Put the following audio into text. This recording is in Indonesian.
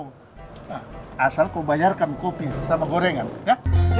nah asal kau bayarkan kopi sama gorengan ya